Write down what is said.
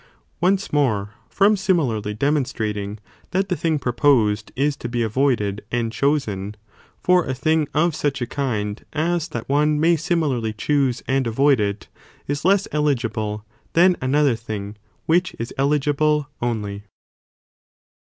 another Once more, from similarly demonstrating,* that the thing proposed is to be avoided and chosen,. place is deriv for a thing of such a kind as that one may simi Ji. hat is de larly choose and avoid it, is less eligible than an eligible than other thing which is eligible only.